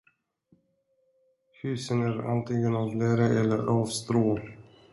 Husen är antingen av lera eller av strå.